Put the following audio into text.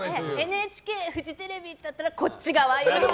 ＮＨＫ、フジテレビだったらこっち側。